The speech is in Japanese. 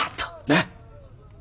なっ。